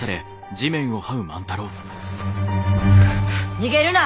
逃げるな！